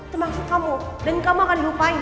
termasuk kamu dan kamu akan dilupain